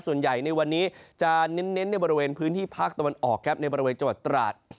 ส่วนใหญ่ในวันนี้จะเน้นในบริเวณพื้นที่ภาคตะวันออกครับในบริเวณจังหวัดตราด